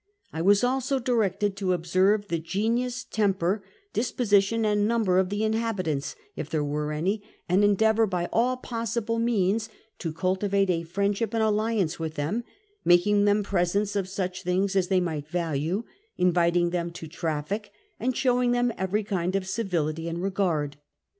1 was also directed to observe the genius, temper, disposition, and number of the inhabitants, if there were any, and en deavour by all ]) 08 sible means to cultivate a friendship and alliance with them ; making them presents of such things as they might value, inviting them to traffic, and showing them every kind of civility and regard.